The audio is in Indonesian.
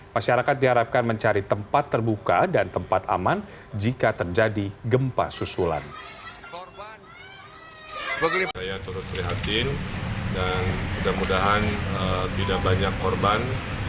masyarakat diharapkan mencari tempat terbuka dan tempat aman jika terjadi gempa susulan